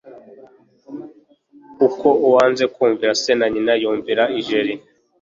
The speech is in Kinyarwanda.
kuko uwanze kumvira se na nyina yumvira ijeri